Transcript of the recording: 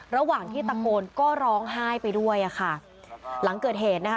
ระหว่างที่ตะโกนก็ร้องไห้ไปด้วยอ่ะค่ะหลังเกิดเหตุนะคะ